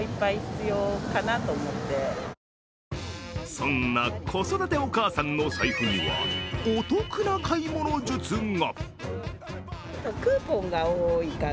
そんな子育てお母さんの財布には、お得な買い物術が。